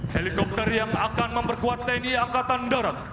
helikopter yang akan memperkuat tni angkatan darat